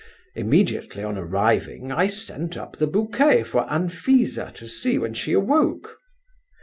Immediately on arriving I sent up the bouquet for Anfisa to see when she awoke.